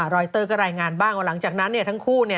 รอยเตอร์ก็รายงานบ้างว่าหลังจากนั้นทั้งคู่